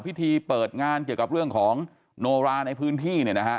พิธีเปิดงานเกี่ยวกับเรื่องของโนรานะธรรมในพื้นที่